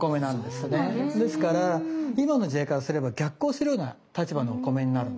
ですから今の時代からすれば逆行するような立場のお米になるんです。